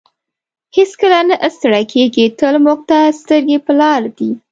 هېڅکله نه ستړی کیږي تل موږ ته سترګې په لار دی.